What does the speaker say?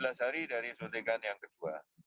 empat belas hari dari suntikan yang kedua